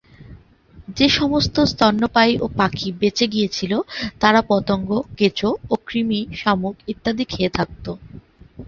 যে সমস্ত স্তন্যপায়ী ও পাখি বেঁচে গিয়েছিল, তারা পতঙ্গ, কেঁচো ও কৃমি, শামুক ইত্যাদি খেয়ে থাকত।